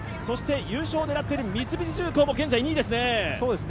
優勝を狙っている三菱重工も現在２位ですね。